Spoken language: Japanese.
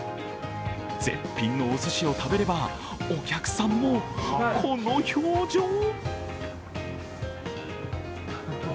絶品のおすしを食べれば、お客さんもこの表情。